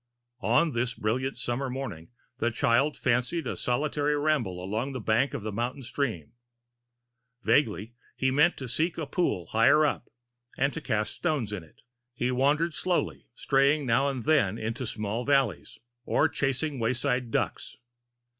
On this brilliant summer morning the child fancied a solitary ramble along the bank of the mountain stream. Vaguely he meant to seek a pool higher up, and to cast stones in it. He wandered slowly straying now and then into small valleys, or chasing wayside ducks.